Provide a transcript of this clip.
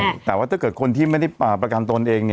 แต่ว่าถ้าเกิดคนที่ไม่ได้ประกันตนเอง